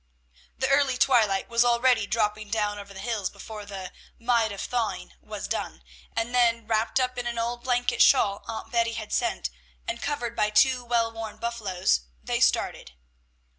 The early twilight was already dropping down over the hills before "the mite of thawing" was done, and then wrapped up in an old blanket shawl Aunt Betty had sent, and covered by two well worn buffaloes, they started.